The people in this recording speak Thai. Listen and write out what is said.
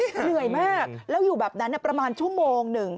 เหนื่อยมากแล้วอยู่แบบนั้นประมาณชั่วโมงหนึ่ง